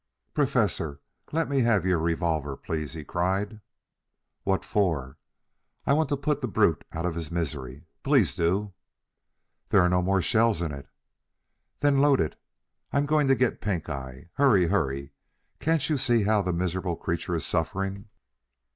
"Professor, let me have your revolver please," he cried. "What for?" "I want to put the brute out of his misery. Please do!" "There are no more shells in it." "Then load it. I'm going to get Pink eye. Hurry, hurry! Can't you see how the miserable creature is suffering?"